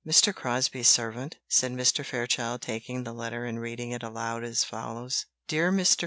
"Mr. Crosbie's servant!" said Mr. Fairchild, taking the letter and reading it aloud as follows: "DEAR MR.